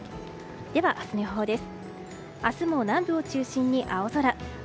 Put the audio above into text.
では、明日の予報です。